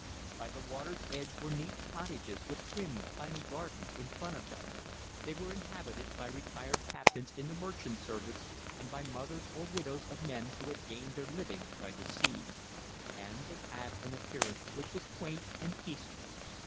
By the water's edge were neat cottages with trim, tiny gardens in front of them; they were inhabited by retired captains in the merchant service, and by mothers or widows of men who had gained their living by the sea; and they had an appearance which was quaint and peaceful.